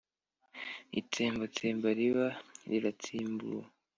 itsembatsemba riba riratsimbuwe